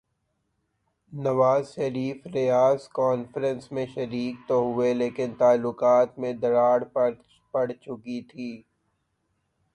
نواز Sharif Riyadh conference میں شریک تو ہوئے لیکن تعلقات میں دراڑ پڑ چکی تھی۔